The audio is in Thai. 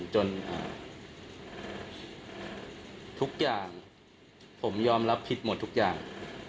ทุกอย่างผมยอมรับผิดหมดทุกอย่าง